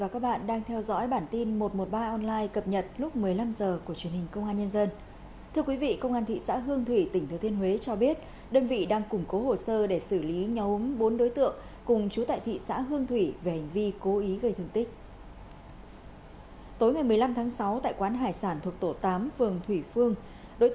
cảm ơn các bạn đã theo dõi